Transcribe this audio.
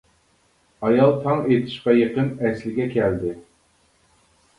ئايال تاڭ ئېتىشقا يېقىن ئەسلىگە كەلدى.